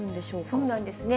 そうなんですね。